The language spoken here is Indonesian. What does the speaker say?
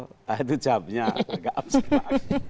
nah itu jawabnya agak abstract